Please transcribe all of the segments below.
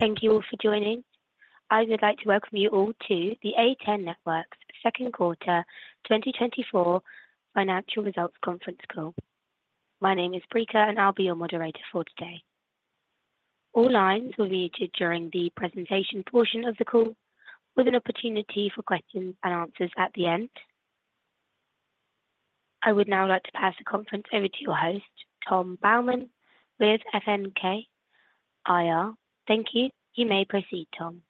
Thank you all for joining. I would like to welcome you all to the A10 Networks second quarter 2024 financial results conference call. My name is Prika, and I'll be your moderator for today. All lines will be muted during the presentation portion of the call, with an opportunity for questions and answers at the end. I would now like to pass the conference over to your host, Tom Baumann, with FNK IR. Thank you. You may proceed, Tom.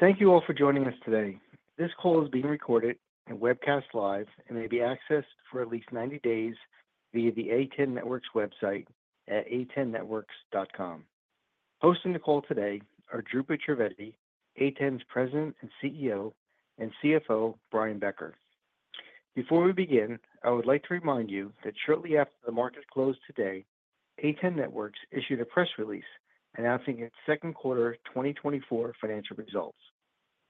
Thank you all for joining us today. This call is being recorded and webcast live, and may be accessed for at least 90 days via the A10 Networks website at a10networks.com. Hosting the call today are Dhrupad Trivedi, A10's President and CEO, and CFO Brian Becker. Before we begin, I would like to remind you that shortly after the market closed today, A10 Networks issued a press release announcing its second quarter 2024 financial results.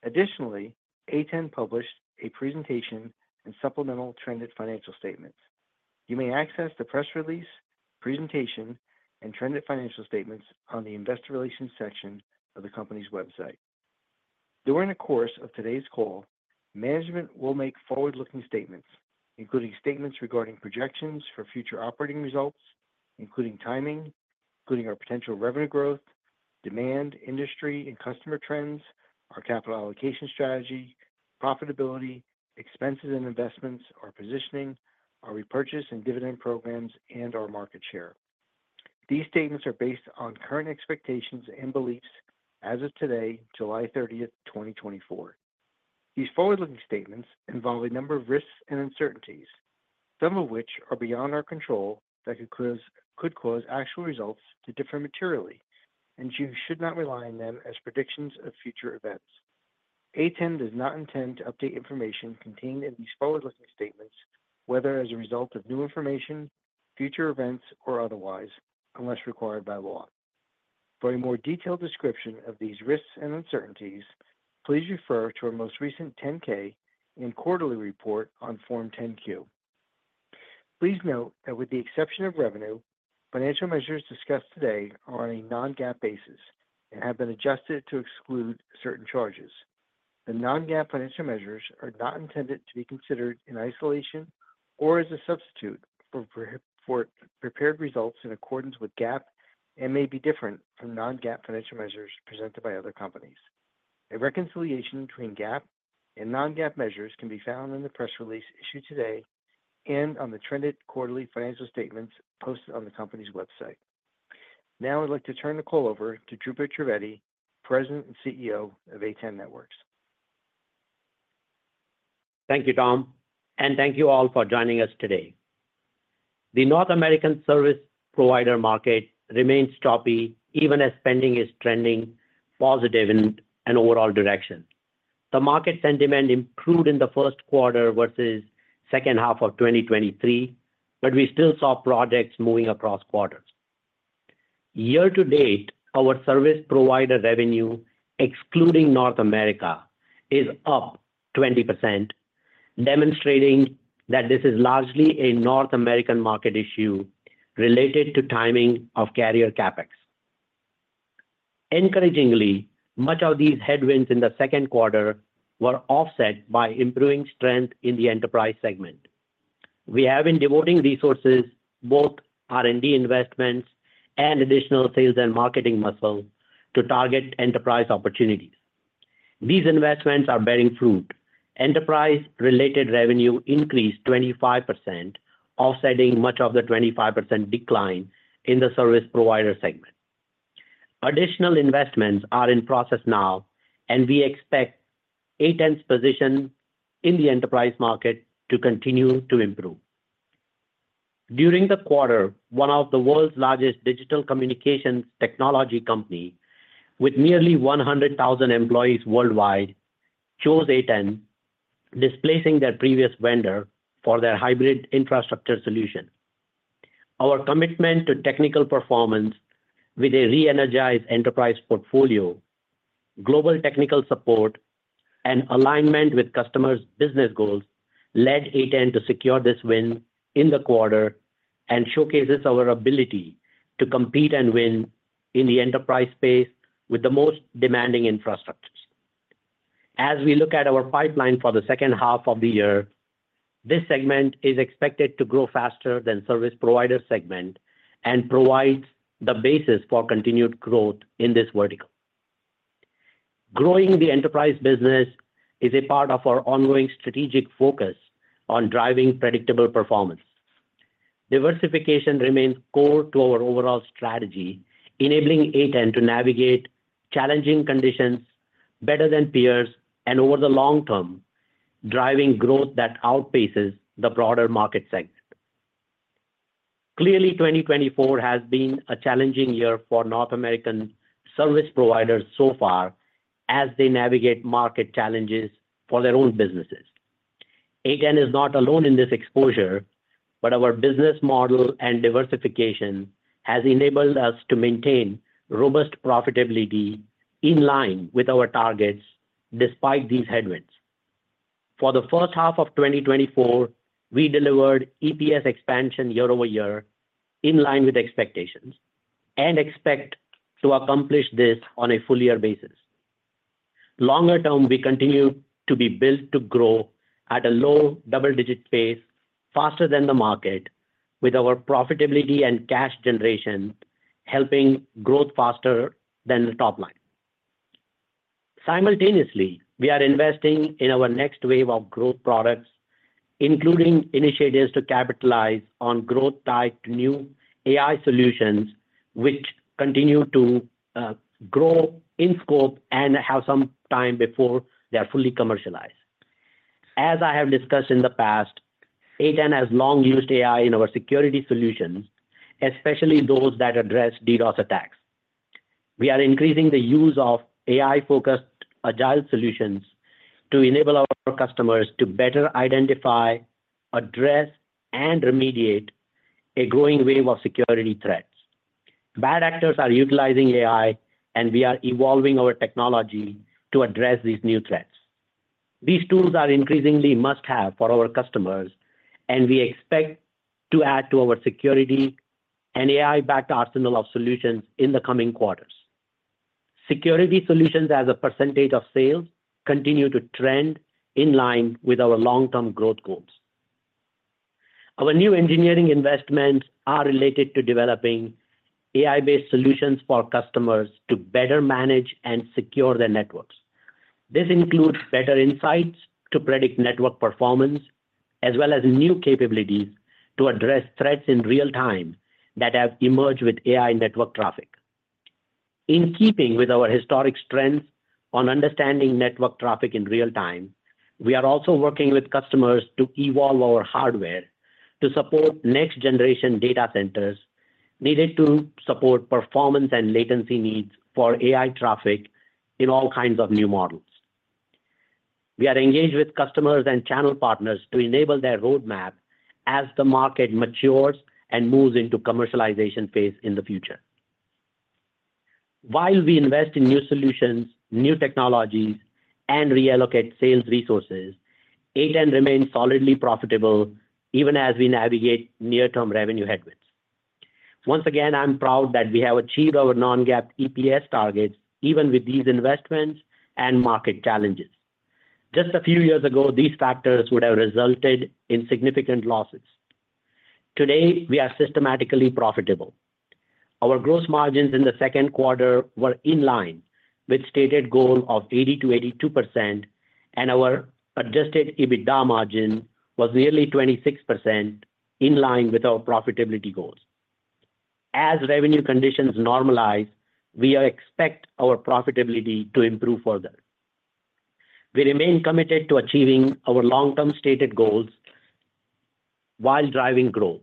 Additionally, A10 published a presentation and supplemental trended financial statements. You may access the press release, presentation, and trended financial statements on the investor relations section of the company's website. During the course of today's call, management will make forward-looking statements, including statements regarding projections for future operating results, including timing, including our potential revenue growth, demand, industry, and customer trends, our capital allocation strategy, profitability, expenses and investments, our positioning, our repurchase and dividend programs, and our market share. These statements are based on current expectations and beliefs as of today, July 30, 2024. These forward-looking statements involve a number of risks and uncertainties, some of which are beyond our control, that could cause actual results to differ materially, and you should not rely on them as predictions of future events. A10 does not intend to update information contained in these forward-looking statements, whether as a result of new information, future events, or otherwise, unless required by law. For a more detailed description of these risks and uncertainties, please refer to our most recent 10-K and quarterly report on Form 10-Q. Please note that with the exception of revenue, financial measures discussed today are on a non-GAAP basis and have been adjusted to exclude certain charges. The non-GAAP financial measures are not intended to be considered in isolation or as a substitute for prepared results in accordance with GAAP, and may be different from non-GAAP financial measures presented by other companies. A reconciliation between GAAP and non-GAAP measures can be found in the press release issued today and on the trended quarterly financial statements posted on the company's website. Now I'd like to turn the call over to Dhrupad Trivedi, President and CEO of A10 Networks. Thank you, Tom, and thank you all for joining us today. The North American service provider market remains choppy, even as spending is trending positive in an overall direction. The market sentiment improved in the first quarter versus second half of 2023, but we still saw projects moving across quarters. Year to date, our service provider revenue, excluding North America, is up 20%, demonstrating that this is largely a North American market issue related to timing of carrier CapEx. Encouragingly, much of these headwinds in the second quarter were offset by improving strength in the enterprise segment. We have been devoting resources, both R&D investments and additional sales and marketing muscle, to target enterprise opportunities. These investments are bearing fruit. Enterprise-related revenue increased 25%, offsetting much of the 25% decline in the service provider segment. Additional investments are in process now, and we expect A10's position in the enterprise market to continue to improve. During the quarter, one of the world's largest digital communications technology company, with nearly 100,000 employees worldwide, chose A10, displacing their previous vendor for their hybrid infrastructure solution. Our commitment to technical performance with a re-energized enterprise portfolio, global technical support, and alignment with customers' business goals led A10 to secure this win in the quarter and showcases our ability to compete and win in the enterprise space with the most demanding infrastructures. As we look at our pipeline for the second half of the year, this segment is expected to grow faster than service provider segment and provides the basis for continued growth in this vertical. Growing the enterprise business is a part of our ongoing strategic focus on driving predictable performance. Diversification remains core to our overall strategy, enabling A10 to navigate challenging conditions better than peers and over the long term, driving growth that outpaces the broader market segment. Clearly, 2024 has been a challenging year for North American service providers so far as they navigate market challenges for their own businesses. A10 is not alone in this exposure, but our business model and diversification has enabled us to maintain robust profitability in line with our targets despite these headwinds. For the first half of 2024, we delivered EPS expansion year-over-year, in line with expectations, and expect to accomplish this on a full year basis. Longer term, we continue to be built to grow at a low double-digit pace, faster than the market, with our profitability and cash generation helping growth faster than the top line. Simultaneously, we are investing in our next wave of growth products, including initiatives to capitalize on growth tied to new AI solutions, which continue to grow in scope and have some time before they are fully commercialized. As I have discussed in the past, A10 Networks has long used AI in our security solutions, especially those that address DDoS attacks. We are increasing the use of AI-focused agile solutions to enable our customers to better identify, address, and remediate a growing wave of security threats. Bad actors are utilizing AI, and we are evolving our technology to address these new threats. These tools are increasingly must-have for our customers, and we expect to add to our security and AI-backed arsenal of solutions in the coming quarters. Security solutions as a percentage of sales continue to trend in line with our long-term growth goals. Our new engineering investments are related to developing AI-based solutions for our customers to better manage and secure their networks. This includes better insights to predict network performance, as well as new capabilities to address threats in real time that have emerged with AI network traffic. In keeping with our historic strengths on understanding network traffic in real time, we are also working with customers to evolve our hardware to support next-generation data centers needed to support performance and latency needs for AI traffic in all kinds of new models. We are engaged with customers and channel partners to enable their roadmap as the market matures and moves into commercialization phase in the future. While we invest in new solutions, new technologies, and reallocate sales resources, A10 remains solidly profitable even as we navigate near-term revenue headwinds. Once again, I'm proud that we have achieved our non-GAAP EPS targets, even with these investments and market challenges. Just a few years ago, these factors would have resulted in significant losses. Today, we are systematically profitable. Our gross margins in the second quarter were in line with stated goal of 80%-82%, and our adjusted EBITDA margin was nearly 26%, in line with our profitability goals. As revenue conditions normalize, we expect our profitability to improve further. We remain committed to achieving our long-term stated goals while driving growth.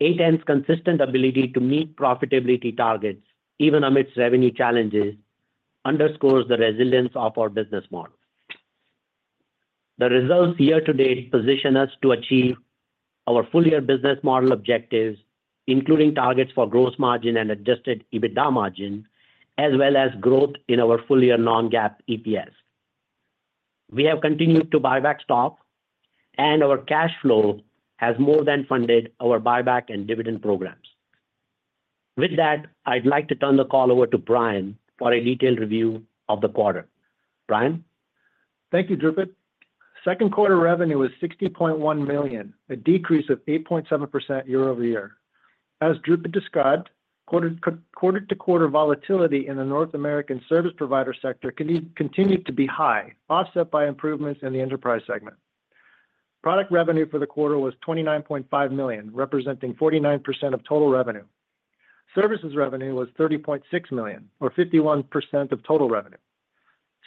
A10 Networks' consistent ability to meet profitability targets, even amidst revenue challenges, underscores the resilience of our business model. The results year-to-date position us to achieve our full year business model objectives, including targets for gross margin and adjusted EBITDA margin, as well as growth in our full year non-GAAP EPS. We have continued to buy back stock, and our cash flow has more than funded our buyback and dividend programs. With that, I'd like to turn the call over to Brian for a detailed review of the quarter. Brian? Thank you, Dhrupad. Second quarter revenue was $60.1 million, a decrease of 8.7% year-over-year. As Dhrupad described, quarter-to-quarter volatility in the North American service provider sector continued to be high, offset by improvements in the enterprise segment. Product revenue for the quarter was $29.5 million, representing 49% of total revenue. Services revenue was $30.6 million, or 51% of total revenue.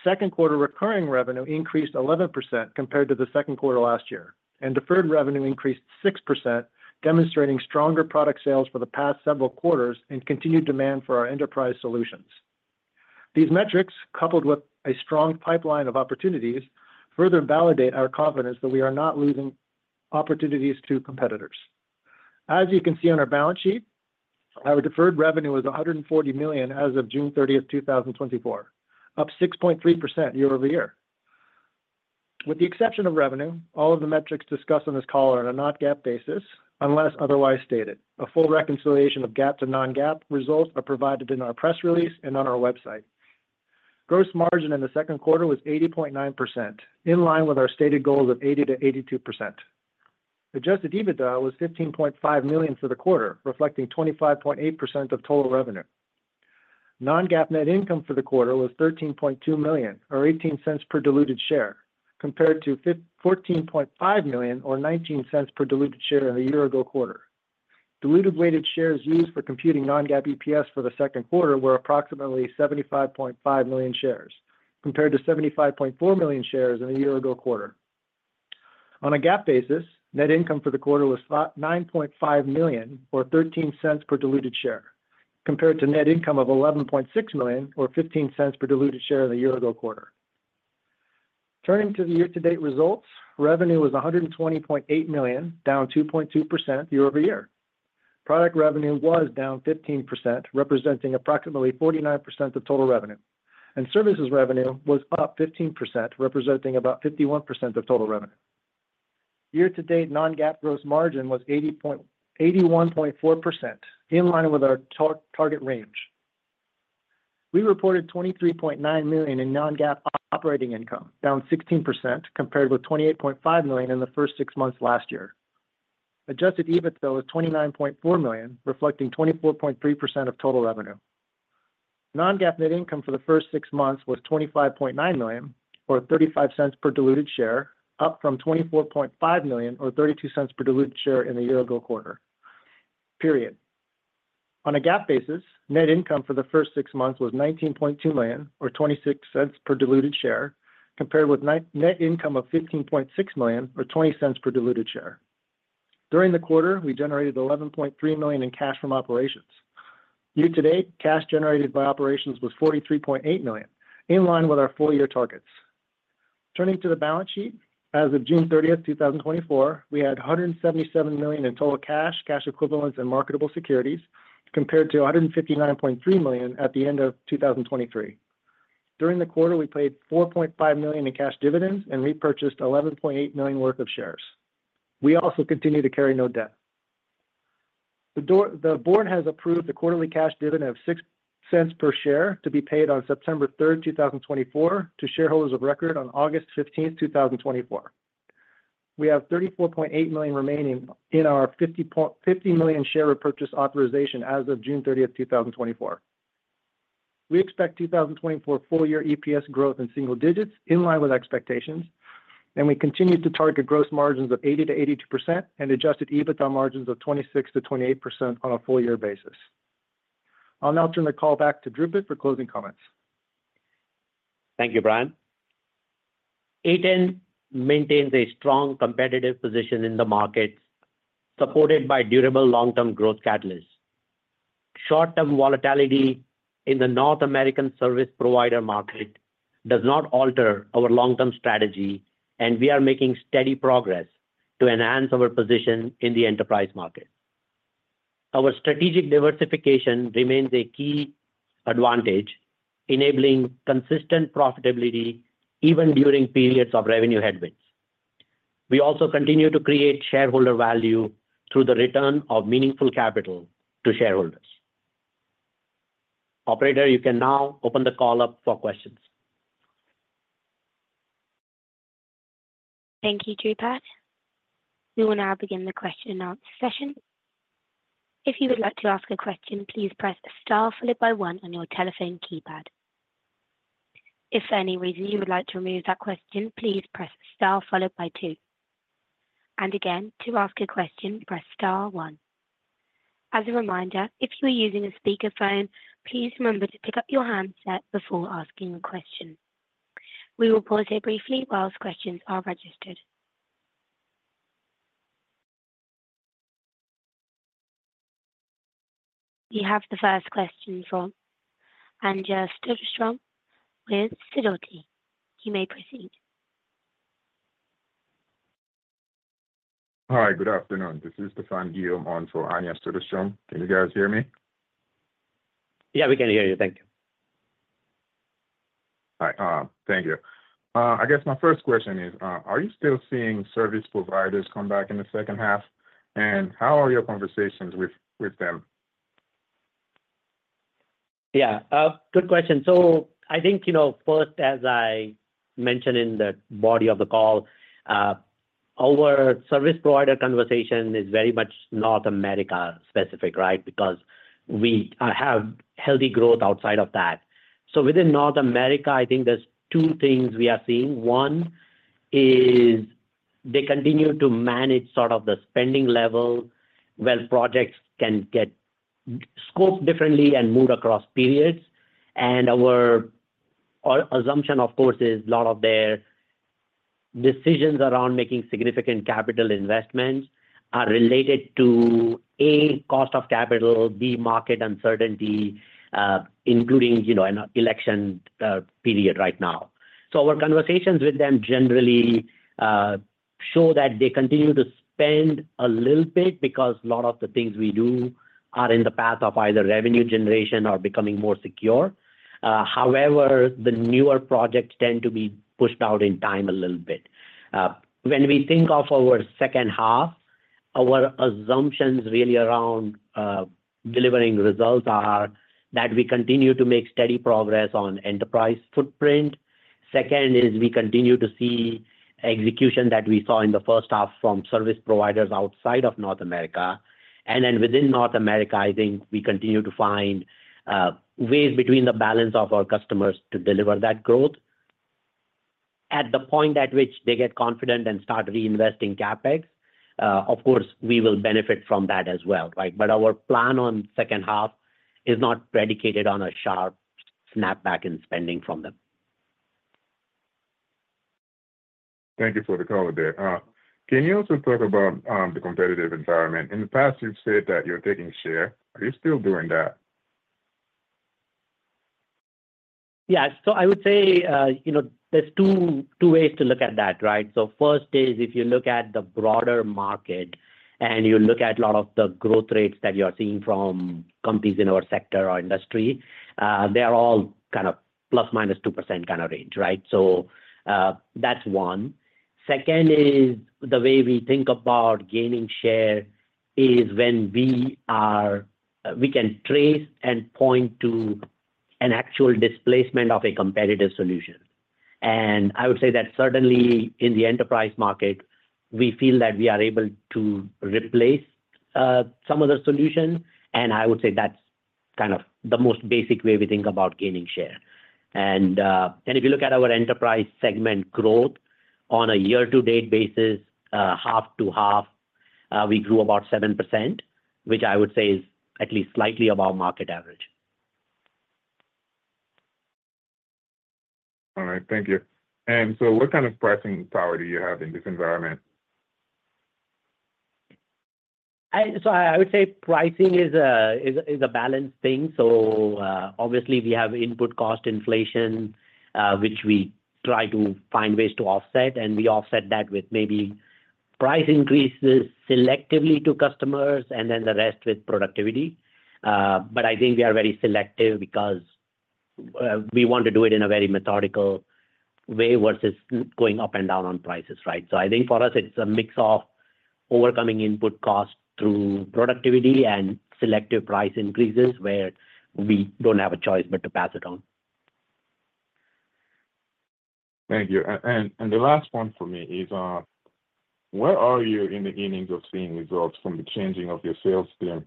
Second quarter recurring revenue increased 11% compared to the second quarter last year, and deferred revenue increased 6%, demonstrating stronger product sales for the past several quarters and continued demand for our enterprise solutions. These metrics, coupled with a strong pipeline of opportunities, further validate our confidence that we are not losing opportunities to competitors. As you can see on our balance sheet, our deferred revenue was $140 million as of June 30, 2024, up 6.3% year-over-year. With the exception of revenue, all of the metrics discussed on this call are on a non-GAAP basis, unless otherwise stated. A full reconciliation of GAAP to non-GAAP results are provided in our press release and on our website. Gross margin in the second quarter was 80.9%, in line with our stated goals of 80%-82%. Adjusted EBITDA was $15.5 million for the quarter, reflecting 25.8% of total revenue. Non-GAAP net income for the quarter was $13.2 million, or $0.18 per diluted share, compared to fourteen point five million or nineteen cents per diluted share in the year-ago quarter. Diluted weighted shares used for computing non-GAAP EPS for the second quarter were approximately 75.5 million shares, compared to 75.4 million shares in the year-ago quarter. On a GAAP basis, net income for the quarter was $9.5 million or $0.13 per diluted share, compared to net income of $11.6 million or $0.15 per diluted share in the year-ago quarter. Turning to the year-to-date results, revenue was $120.8 million, down 2.2% year-over-year. Product revenue was down 15%, representing approximately 49% of total revenue, and services revenue was up 15%, representing about 51% of total revenue. Year-to-date, non-GAAP gross margin was 81.4%, in line with our target range. We reported $23.9 million in non-GAAP operating income, down 16% compared with $28.5 million in the first six months last year. Adjusted EBITDA was $29.4 million, reflecting 24.3% of total revenue. Non-GAAP net income for the first six months was $25.9 million, or $0.35 per diluted share, up from $24.5 million or $0.32 per diluted share in the year ago quarter period. On a GAAP basis, net income for the first six months was $19.2 million or $0.26 per diluted share, compared with net income of $15.6 million or $0.20 per diluted share. During the quarter, we generated $11.3 million in cash from operations. Year to date, cash generated by operations was $43.8 million, in line with our full year targets. Turning to the balance sheet, as of June 30, 2024, we had $177 million in total cash, cash equivalents and marketable securities, compared to $159.3 million at the end of 2023. During the quarter, we paid $4.5 million in cash dividends and repurchased $11.8 million worth of shares. We also continue to carry no debt. The board has approved a quarterly cash dividend of $0.06 per share to be paid on September 3, 2024, to shareholders of record on August 15, 2024. We have $34.8 million remaining in our $50 million share repurchase authorization as of June 30, 2024. We expect 2024 full year EPS growth in single digits, in line with expectations, and we continue to target gross margins of 80%-82% and adjusted EBITDA margins of 26%-28% on a full year basis. I'll now turn the call back to Dhrupad for closing comments. Thank you, Brian. A10 maintains a strong competitive position in the market, supported by durable long-term growth catalysts. Short-term volatility in the North American service provider market does not alter our long-term strategy, and we are making steady progress to enhance our position in the enterprise market. Our strategic diversification remains a key advantage, enabling consistent profitability even during periods of revenue headwinds. We also continue to create shareholder value through the return of meaningful capital to shareholders. Operator, you can now open the call up for questions. Thank you, Dhrupad. We will now begin the question and answer session. If you would like to ask a question, please press Star followed by one on your telephone keypad. If for any reason you would like to remove that question, please press Star followed by two. And again, to ask a question, press Star one. As a reminder, if you are using a speakerphone, please remember to pick up your handset before asking a question. We will pause here briefly while questions are registered. We have the first question from Anja Soderstrom with Sidoti. You may proceed. Hi, good afternoon. This is Stefan Gil on for Anja Soderstrom. Can you guys hear me? Yeah, we can hear you. Thank you. Hi, thank you. I guess my first question is, are you still seeing service providers come back in the second half? And how are your conversations with them? Yeah, good question. So I think, you know, first, as I mentioned in the body of the call, our service provider conversation is very much North America specific, right? Because we have healthy growth outside of that. So within North America, I think there's two things we are seeing. One is they continue to manage sort of the spending level, where projects can get scoped differently and moved across periods. And our assumption, of course, is a lot of their decisions around making significant capital investments are related to, A, cost of capital, B, market uncertainty, including, you know, an election, period right now. So our conversations with them generally show that they continue to spend a little bit because a lot of the things we do are in the path of either revenue generation or becoming more secure. However, the newer projects tend to be pushed out in time a little bit. When we think of our second half, our assumptions really around delivering results are that we continue to make steady progress on enterprise footprint. Second is we continue to see execution that we saw in the first half from service providers outside of North America. And then within North America, I think we continue to find ways between the balance of our customers to deliver that growth. At the point at which they get confident and start reinvesting CapEx, of course, we will benefit from that as well, right? But our plan on second half is not predicated on a sharp snapback in spending from them. Thank you for the call today. Can you also talk about the competitive environment? In the past, you've said that you're taking share. Are you still doing that? ... Yeah, so I would say, you know, there's two, two ways to look at that, right? So first is if you look at the broader market, and you look at a lot of the growth rates that you are seeing from companies in our sector or industry, they are all kind of ±2% kind of range, right? So, that's one. Second is, the way we think about gaining share is when we are, we can trace and point to an actual displacement of a competitive solution. And I would say that certainly in the enterprise market, we feel that we are able to replace, some of the solutions, and I would say that's kind of the most basic way we think about gaining share. If you look at our enterprise segment growth on a year-to-date basis, half to half, we grew about 7%, which I would say is at least slightly above market average. All right. Thank you. And so what kind of pricing power do you have in this environment? So I would say pricing is a balanced thing. So, obviously, we have input cost inflation, which we try to find ways to offset, and we offset that with maybe price increases selectively to customers, and then the rest with productivity. But I think we are very selective because, we want to do it in a very methodical way versus going up and down on prices, right? So I think for us it's a mix of overcoming input costs through productivity and selective price increases, where we don't have a choice but to pass it on. Thank you. And the last one for me is, where are you in the innings of seeing results from the changing of your sales team?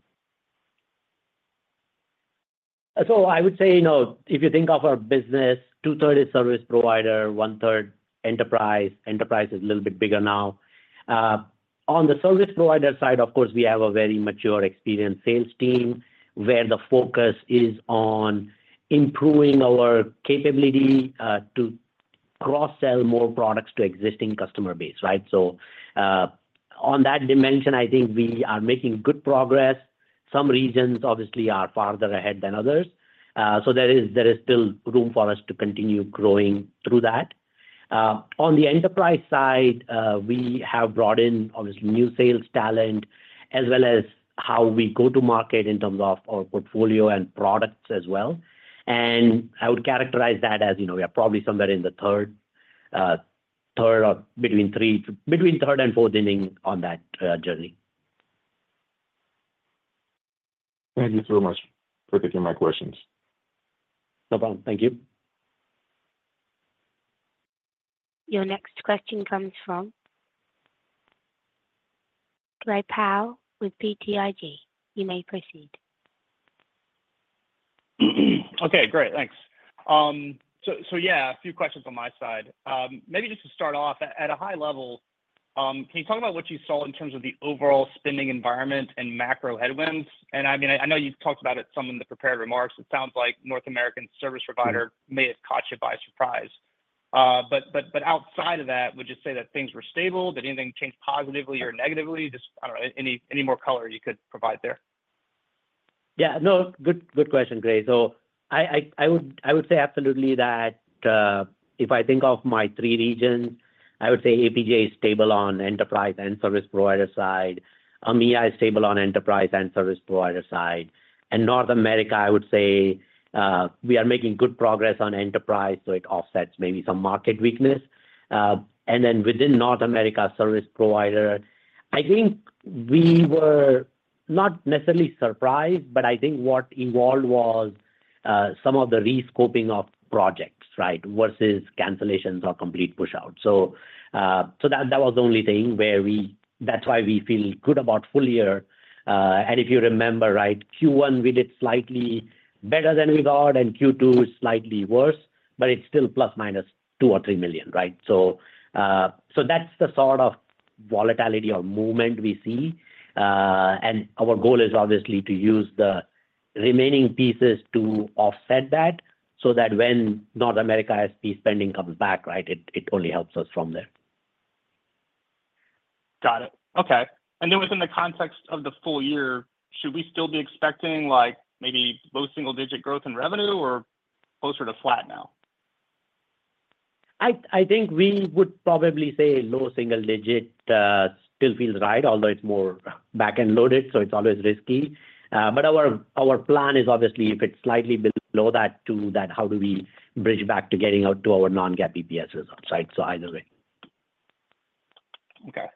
So I would say, you know, if you think of our business, two-thirds is service provider, one-third enterprise. Enterprise is a little bit bigger now. On the service provider side, of course, we have a very mature, experienced sales team, where the focus is on improving our capability to cross-sell more products to existing customer base, right? So, on that dimension, I think we are making good progress. Some regions obviously are farther ahead than others. So there is, there is still room for us to continue growing through that. On the enterprise side, we have brought in, obviously, new sales talent, as well as how we go to market in terms of our portfolio and products as well. And I would characterize that as, you know, we are probably somewhere in the third, third or between three... Between third and fourth inning on that journey. Thank you so much for taking my questions. No problem. Thank you. Your next question comes from Gray Powell with BTIG. You may proceed. Okay, great. Thanks. So yeah, a few questions on my side. Maybe just to start off, at a high level, can you talk about what you saw in terms of the overall spending environment and macro headwinds? And I mean, I know you've talked about it some in the prepared remarks. It sounds like North American service provider may have caught you by surprise. But outside of that, would you say that things were stable? Did anything change positively or negatively? Just, I don't know, any more color you could provide there? Yeah. No, good, good question, Gray. So I would say absolutely that, if I think of my three regions, I would say APJ is stable on enterprise and service provider side. EMEA is stable on enterprise and service provider side. And North America, I would say, we are making good progress on enterprise, so it offsets maybe some market weakness. And then within North America service provider, I think we were not necessarily surprised, but I think what evolved was, some of the rescoping of projects, right? Versus cancellations or complete push out. So, so that, that was the only thing where we – that's why we feel good about full year. And if you remember, right, Q1, we did slightly better than we thought, and Q2 is slightly worse, but it's still ±$2 million or $3 million, right? So that's the sort of volatility or movement we see. Our goal is obviously to use the remaining pieces to offset that, so that when North America SP spending comes back, right, it only helps us from there. Got it. Okay. And then within the context of the full year, should we still be expecting, like, maybe low double single digit growth in revenue or closer to flat now? I think we would probably say low single digit, still feels right, although it's more back-end loaded, so it's always risky. But our plan is obviously if it's slightly below that too, then how do we bridge back to getting out to our non-GAAP EPSs, right? So either way. Okay.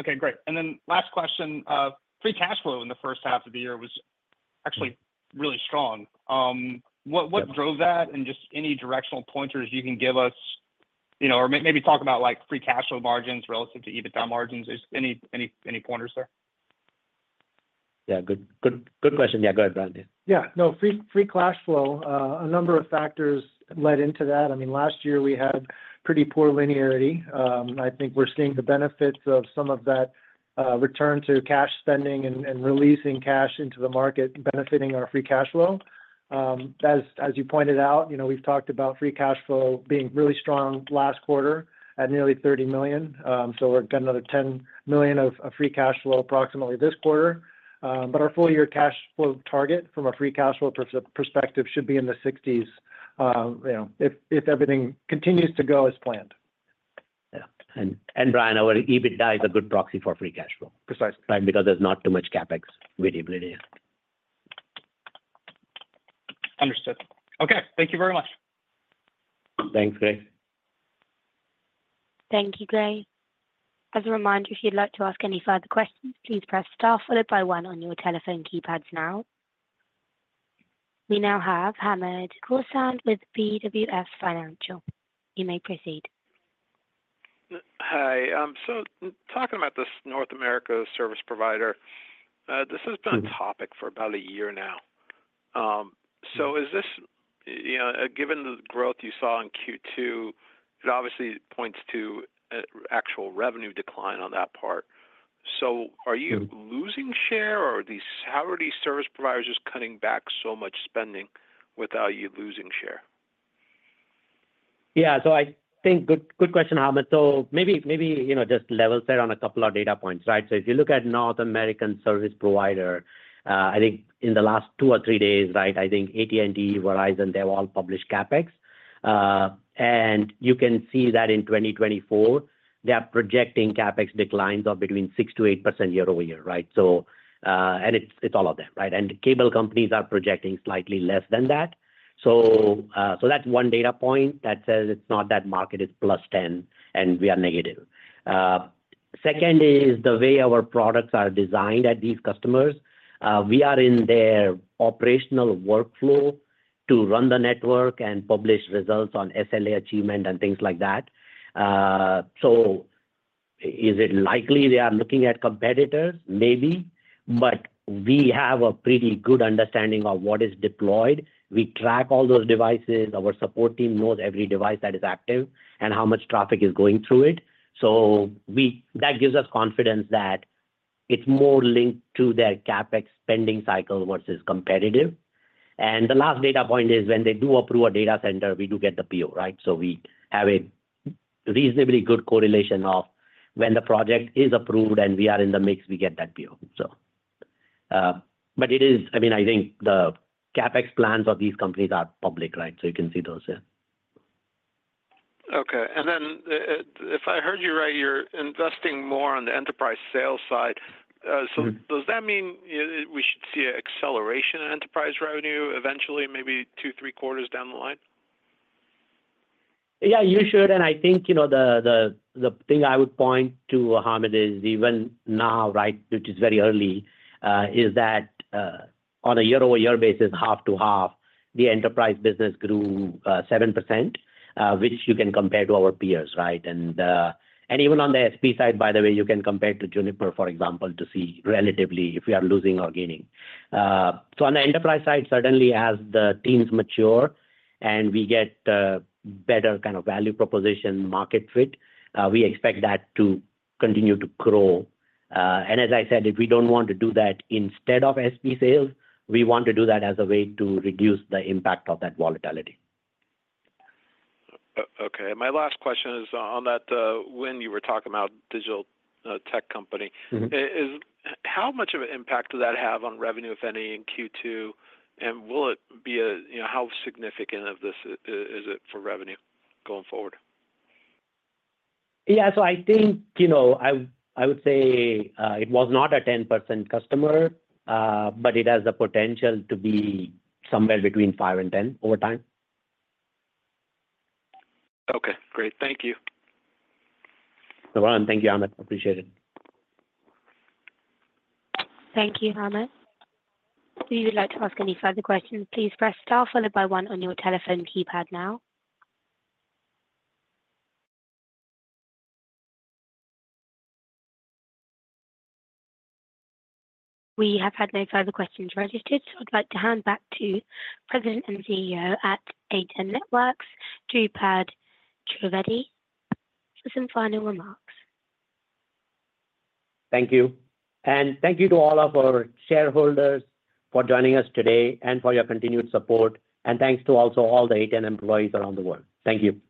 Okay, great. And then last question, free cash flow in the first half of the year was actually really strong. What drove that? And just any directional pointers you can give us, you know, or maybe talk about, like, free cash flow margins relative to EBITDA margins. Any pointers there? Yeah. Good, good, good question. Yeah, go ahead, Brian. Yeah. No, free, free cash flow, a number of factors led into that. I mean, last year we had pretty poor linearity. I think we're seeing the benefits of some of that, return to cash spending and, and releasing cash into the market, benefiting our free cash flow. As you pointed out, you know, we've talked about free cash flow being really strong last quarter at nearly $30 million. So we've got another $10 million of free cash flow approximately this quarter. But our full year cash flow target from a free cash flow perspective should be in the $60s, you know, if everything continues to go as planned.... Yeah, and, and Brian, our EBITDA is a good proxy for free cash flow. Precisely. Right, because there's not too much CapEx really it is. Understood. Okay. Thank you very much. Thanks, Gray. Thank you, Gray. As a reminder, if you'd like to ask any further questions, please press Star followed by one on your telephone keypads now. We now have Hamed Khorsand with BWS Financial. You may proceed. Hi, so talking about this North America service provider, this has been a topic for about a year now. So is this, you know, given the growth you saw in Q2, it obviously points to an actual revenue decline on that part. So are you losing share, or are these, how are these service providers just cutting back so much spending without you losing share? Yeah, so I think good question, Hamed. So maybe, maybe, you know, just level set on a couple of data points, right? So if you look at North American service provider, I think in the last two or three days, right, I think AT&T, Verizon, they've all published CapEx. And you can see that in 2024, they are projecting CapEx declines of between 6%-8% year-over-year, right? So, and it's, it's all of them, right? And cable companies are projecting slightly less than that. So that's one data point that says it's not that market is +10 and we are negative. Second is the way our products are designed at these customers. We are in their operational workflow to run the network and publish results on SLA achievement and things like that. So is it likely they are looking at competitors? Maybe, but we have a pretty good understanding of what is deployed. We track all those devices. Our support team knows every device that is active and how much traffic is going through it. So that gives us confidence that it's more linked to their CapEx spending cycle versus competitive. And the last data point is when they do approve a data center, we do get the PO, right? So, but it is, I mean, I think the CapEx plans of these companies are public, right? So you can see those, yeah. Okay. If I heard you right, you're investing more on the enterprise sales side. Mm-hmm. So does that mean we should see an acceleration in enterprise revenue eventually, maybe 2-3 quarters down the line? Yeah, you should, and I think, you know, the thing I would point to, Hamed, is even now, right, which is very early, is that on a year-over-year basis, half to half, the enterprise business grew 7%, which you can compare to our peers, right? And even on the SP side, by the way, you can compare to Juniper, for example, to see relatively if we are losing or gaining. So on the enterprise side, certainly as the teams mature and we get better kind of value proposition, market fit, we expect that to continue to grow. And as I said, if we don't want to do that instead of SP sales, we want to do that as a way to reduce the impact of that volatility. Okay. My last question is on that, when you were talking about digital tech company. Mm-hmm. How much of an impact does that have on revenue, if any, in Q2, and will it be a... You know, how significant is this for revenue going forward? Yeah. So I think, you know, I would say, it was not a 10% customer, but it has the potential to be somewhere between 5% and 10% over time. Okay, great. Thank you. No, thank you, Hamed. Appreciate it. Thank you, Hamed. If you would like to ask any further questions, please press Star followed by one on your telephone keypad now. We have had no further questions registered, so I'd like to hand back to President and CEO at A10 Networks, Dhrupad Trivedi, for some final remarks. Thank you. Thank you to all of our shareholders for joining us today and for your continued support. Thanks to also all the A10 employees around the world. Thank you.